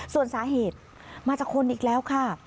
ส่วนสาเหตุมาจากคนอีกแล้วค่ะ